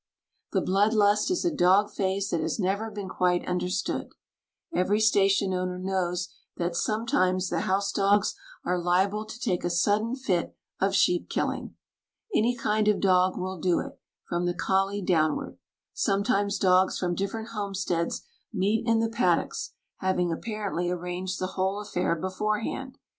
The blood lust is a dog phase that has never been quite understood. Every station owner knows that sometimes the house dogs are liable to take a sudden fit of sheep killing. Any kind of dog will do it, from the collie downward. Sometimes dogs from different homesteads meet in the paddocks, having apparently arranged the whole affair beforehand.